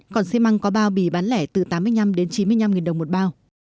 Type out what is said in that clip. còn xe măng có bao bì bán lẻ từ tám mươi năm chín mươi năm đồng một bao